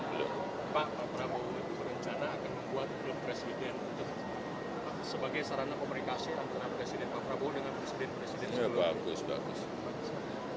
pak prabowo berencana akan membuat klub presiden sebagai sarana komunikasi untuk abadasi dengan pak prabowo dengan presiden presiden